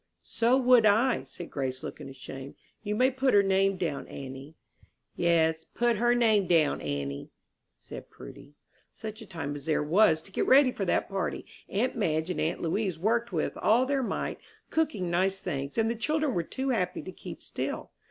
"So would I," said Grace, looking ashamed. "You may put her name down, auntie." "Yes, put her name down, auntie," said Prudy. Such a time as there was to get ready for that party! Aunt Madge and aunt Louise worked with all their might, cooking nice things, and the children were too happy to keep still.